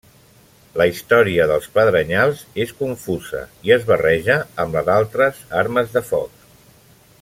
La història dels pedrenyals és confusa i es barreja amb la d’altres armes de foc.